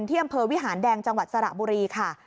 ที่อำเภอวิหารแดงจังหวัดสระบุรีค่ะ